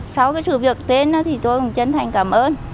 sau sự việc tên tôi chân thành cảm ơn